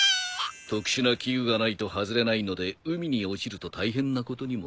特殊な器具がないと外れないので海に落ちると大変なことにもなる。